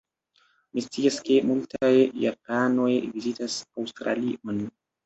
Mi scias ke multaj japanoj vizitas Aŭstralion.